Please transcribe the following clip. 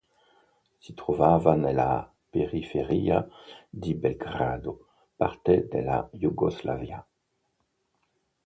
Si trovava nella periferia di Belgrado, parte della Jugoslavia.